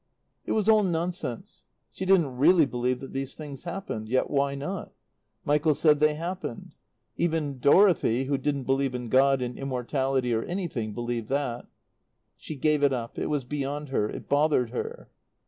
It was all nonsense. She didn't really believe that these things happened. Yet, why not? Michael said they happened. Even Dorothy, who didn't believe in God and immortality or anything, believed that. She gave it up; it was beyond her; it bothered her.